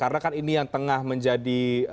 karena kan ini yang tengah menjadi diskursus ya